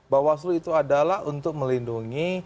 bawaslu itu adalah untuk melindungi